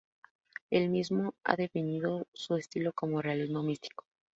El mismo ha definido su estilo como "realismo místico".